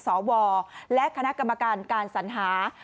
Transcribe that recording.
สวและคณะกรรมการการสัญหา